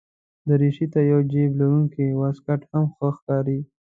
دریشي ته یو جېب لرونکی واسکټ هم ښه ښکاري.